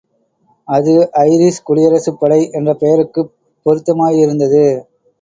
அது ஐரீஷ் குடியரசுப் படை என்ற பெயருக்குப் பொருத்தமாயிருந்தது.